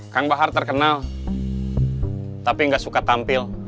kang bahar terkenal tapi nggak suka tampil